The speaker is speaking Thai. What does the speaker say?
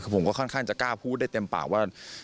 ผมก็ค่อนข้างจะกล้าพูดได้เต็มปากว่า